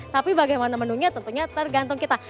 tapi bagaimana menunya tentunya tergantung kita